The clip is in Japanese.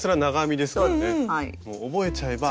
もう覚えちゃえば。